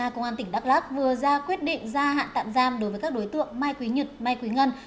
điều tra công an tỉnh đắk lắc vừa ra quyết định ra hạn tạm giam đối với các đối tượng mai quý nhật mai quý ngân